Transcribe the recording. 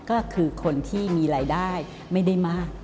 ก็คือคนที่มีรายได้ไม่ได้มาก